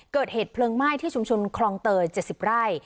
เกิดเหตุเผลืองไห้ที่ชุมชลคลองเตอร์๗๐ไร